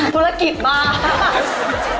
โอ้โหธุรกิจมา